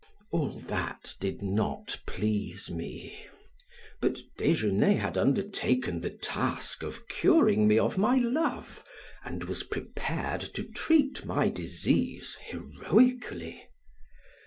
All that did not please me; but Desgenais had undertaken the task of curing me of my love and was prepared to treat my disease heroically.